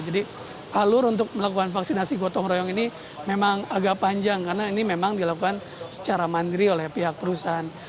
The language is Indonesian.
jadi alur untuk melakukan vaksinasi gotong rayong ini memang agak panjang karena ini memang dilakukan secara mandiri oleh pihak perusahaan